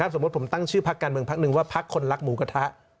สมมุติผมตั้งชื่อพักการเมืองพักหนึ่งว่าพักคนรักหมูกระทะ